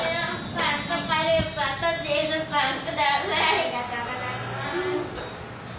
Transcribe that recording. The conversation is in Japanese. ありがとうございます。